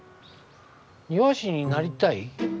庭師になりたい？